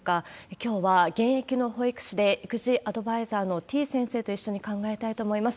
きょうは現役の保育士で、育児アドバイザーのてぃ先生と一緒に考えたいと思います。